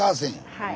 はい。